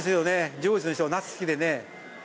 上越の人はナス好きでね。